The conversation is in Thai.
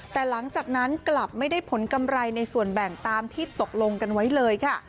แต่หลังจากนั้นกลับไม่ได้ผลกำไรในส่วนแบ่งตามที่ตกลงกันไว้เลยค่ะ